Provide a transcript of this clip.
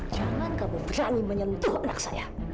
jangan kamu berani menyentuh anak saya